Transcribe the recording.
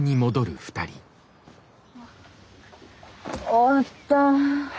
終わった。